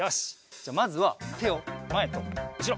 じゃまずはてをまえとうしろ！